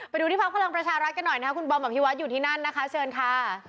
อเรนนี่ที่ภพพลังประชารัฐก็หน่อยนะคุณบอมอนพิวัตรอยู่ที่นั่นนะคะเชิญค่ะ